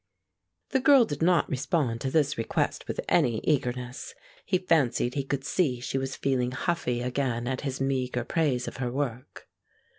The girl did not respond to this request with any eagerness. He fancied he could see she was feeling huffy again at his meagre praise of her work.